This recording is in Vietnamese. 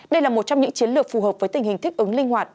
đây là một trong những chiến lược phù hợp với tình hình thích ứng linh hoạt